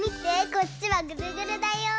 こっちはぐるぐるだよ。